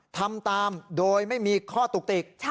ทำตามโดยไม่มีข้อตุกติก